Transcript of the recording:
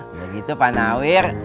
udah gitu pak nawir